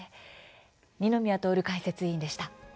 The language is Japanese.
二宮徹解説委員でした。